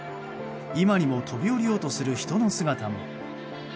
今にも飛び降りようとする人の姿も。